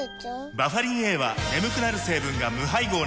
バファリンＡは眠くなる成分が無配合なんです